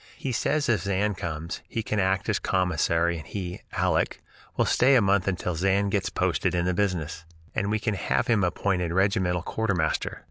He says if Zan comes he can act as commissary and he (Aleck) will stay a month until Zan gets posted in the business; and we can have him appointed regimental quartermaster.